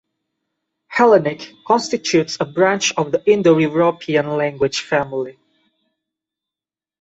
Hellenic constitutes a branch of the Indo-European language family.